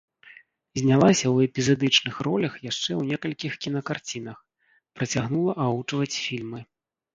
Знялася ў эпізадычных ролях яшчэ ў некалькіх кінакарцінах, працягнула агучваць фільмы.